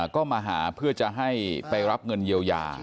ก็มาหาเพื่อจะให้ไปรับเงินเยียวยา